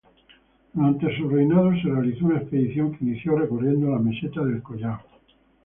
Durante su reinado, se realizó una expedición que inició recorriendo la meseta del Collao.